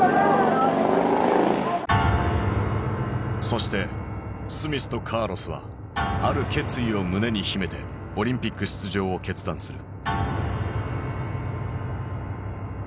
そしてスミスとカーロスはある決意を胸に秘めてオリンピック出場を決断する。